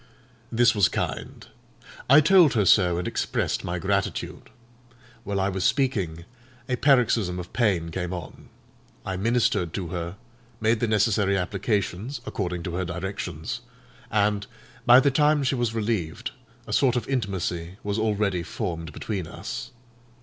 This was kind. I told her so, and expressed my gratitude. While I was speaking, a paroxysm of pain came on. I ministered to her; made the necessary applications, according to her directions, and, by the time she was relieved, a sort of intimacy was already formed between us.